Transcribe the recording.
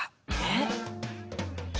えっ？